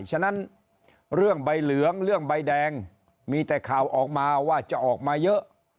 ฉะนั้นเรื่องใบเหลืองเรื่องใบแดงมีแต่ข่าวออกมาว่าจะออกมาเยอะ